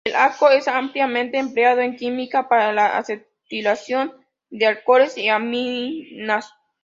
El AcO es ampliamente empleado en química para la acetilación de alcoholes y aminas.